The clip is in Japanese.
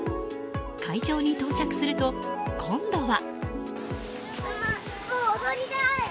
会場に到着すると、今度は。